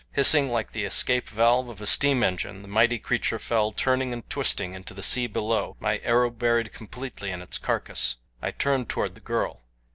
Hissing like the escape valve of a steam engine, the mighty creature fell turning and twisting into the sea below, my arrow buried completely in its carcass. I turned toward the girl.